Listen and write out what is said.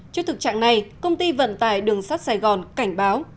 trước thực trạng này công ty vận tải đường sắt sài gòn cảnh báo